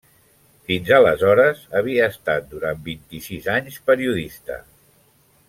Fins aleshores havia estat, durant vint-i-sis anys, periodista.